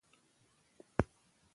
کندهار د افغانستان شاهي ښار دي